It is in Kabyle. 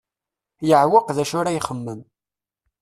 Yeɛweq d acu ara ixemmem.